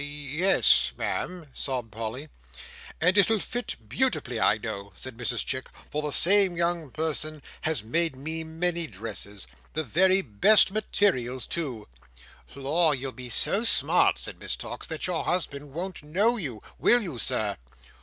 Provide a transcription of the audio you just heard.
"Ye—es, Ma'am," sobbed Polly. "And it'll fit beautifully. I know," said Mrs Chick, "for the same young person has made me many dresses. The very best materials, too!" "Lor, you'll be so smart," said Miss Tox, "that your husband won't know you; will you, Sir?"